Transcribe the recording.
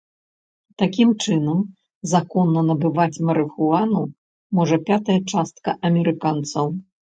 Такім чынам, законна набываць марыхуану можа пятая частка амерыканцаў.